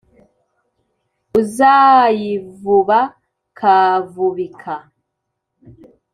uzayivuba kavubika,